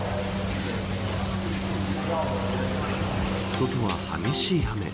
外は激しい雨。